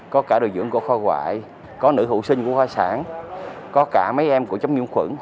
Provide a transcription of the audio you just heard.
có cả điều dưỡng của khoa ngoại có nữ hữu sinh của khoa sản có cả mấy em của chống nhu khuẩn